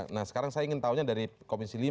nah sekarang saya ingin tahunya dari komisi lima